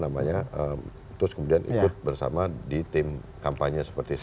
terus kemudian ikut bersama di tim kampanye seperti sekarang